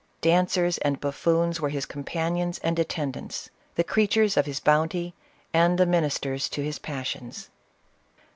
Dan cers and buffoons were his companions and attendants — the creatures of his bounty, and the ministers to his passions.